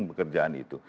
langsung pekerjaan itu